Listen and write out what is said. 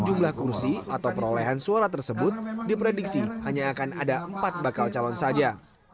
jumlah kursi atau perolehan suara tersebut diprediksi hanya akan ada empat bakal calon saja